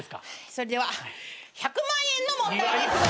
それでは１００万円の問題です。